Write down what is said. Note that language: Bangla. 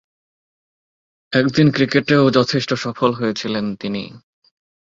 একদিনের ক্রিকেটেও যথেষ্ট সফল হয়েছিলেন তিনি।